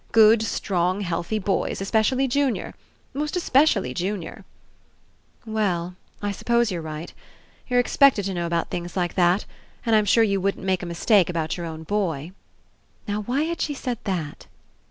Good, strong, healthy boys, especially Junior. Most especially Junior." "We 11, I s'pose you're right. You're expected to know about things like that, and I'm sure you wouldn't make a mistake about your own boy." (Now, why had she said that?)